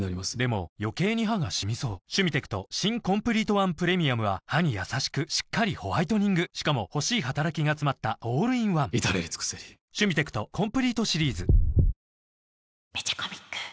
余計に歯がシミそう「シュミテクト新コンプリートワンプレミアム」は歯にやさしくしっかりホワイトニングしかも欲しい働きがつまったオールインワン至れり尽せり続いてやってきたのは高円寺。